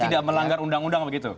jadi tidak melanggar undang undang begitu